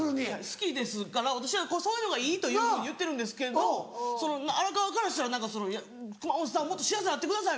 好きですから私はそういうのがいいと言ってるんですけど荒川からしたら「熊元さんもっと幸せになってください」。